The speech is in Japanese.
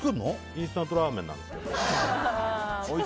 インスタントラーメンなんですけど。